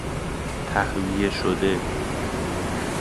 تهویه شده